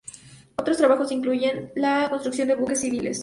Otros trabajos incluyen la construcción de buques civiles.